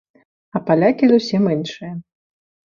А палякі зусім іншыя.